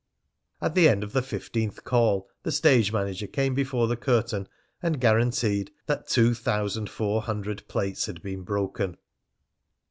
At the end of the fifteenth call the stage manager came before the curtain and guaranteed that two thousand four hundred plates had been broken.